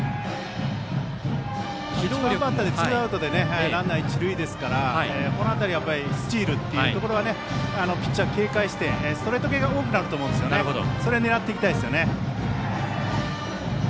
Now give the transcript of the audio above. １番バッターでツーアウトでランナー、一塁ですからこの辺りスチールというところをピッチャーは警戒してストレート系が多くなると思いますので狙っていきたいですね。